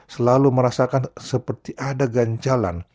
selalu merasakan seperti ada ganjalan